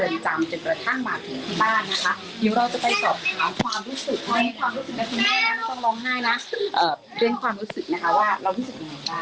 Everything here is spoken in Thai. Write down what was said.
อืมส์อูต้องร้องไห้นะเอ่อเรียนความรู้สึกนะคะว่าเรารู้สึกยังไง